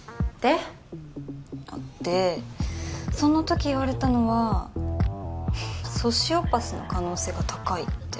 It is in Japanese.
で？でその時言われたのはソシオパスの可能性が高いって。